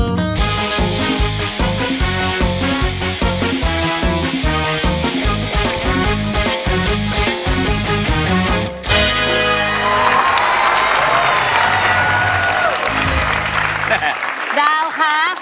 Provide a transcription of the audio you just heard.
ว้าวว้าวว้าวว้าวว้าวว้าวว้าวว้าวว้าวว้าวว้าว